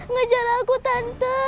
ngejar aku tante